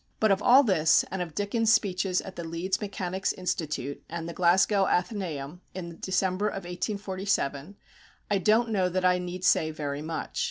But of all this, and of Dickens' speeches at the Leeds Mechanics' Institute, and Glasgow Athenæum, in the December of 1847, I don't know that I need say very much.